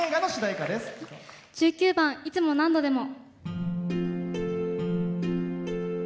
１９番「いつも何度でも」。